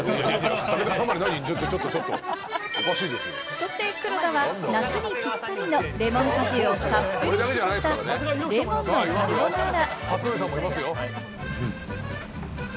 そして黒田は夏にぴったりのレモン果汁たっぷり絞ったレモンのカルボナーラ。